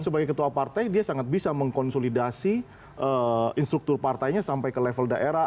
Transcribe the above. sebagai ketua partai dia sangat bisa mengkonsolidasi instruktur partainya sampai ke level daerah